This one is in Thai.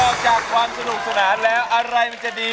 ออกจากความสนุกสนานแล้วอะไรมันจะดี